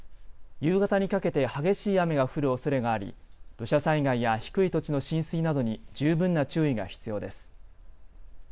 夕方にかけて激しい雨が降るおそれがあり土砂災害や低い土地の浸水などに十分な注意が必要です。